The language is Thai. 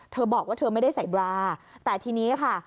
บอกว่าเธอไม่ได้ใส่บราแต่ทีนี้ค่ะ